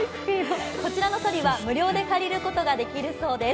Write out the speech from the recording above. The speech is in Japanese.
こちらのそりは無料で借りることができるそうです。